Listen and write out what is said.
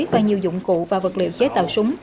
và nhiều dụng cụ và vật liệu chế tạo súng